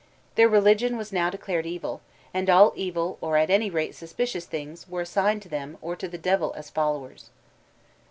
Their religion was now declared evil, and all evil or at any rate suspicious beings were assigned to them or to the devil as followers.